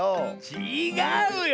ちがうよ！